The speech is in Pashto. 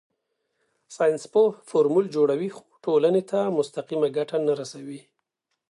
ساینسپوه فورمول جوړوي خو ټولنې ته مستقیمه ګټه نه رسوي.